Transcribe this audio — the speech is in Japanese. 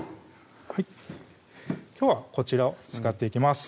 きょうはこちらを使っていきます